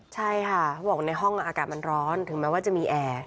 ใช่ค่ะเขาบอกในห้องอากาศมันร้อนถึงแม้ว่าจะมีแอร์